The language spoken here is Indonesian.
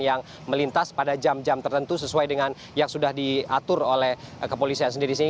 yang melintas pada jam jam tertentu sesuai dengan yang sudah diatur oleh kepolisian sendiri